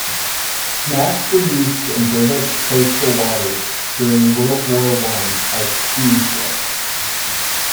Smacks were used in British coastal waters during World War One as Q ships.